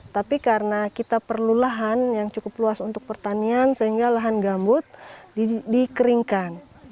tapi karena kita perlu lahan yang cukup luas untuk pertanian sehingga lahan gambut dikeringkan